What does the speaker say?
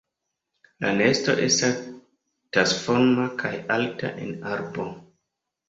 La nesto estas tasforma kaj alta en arbo.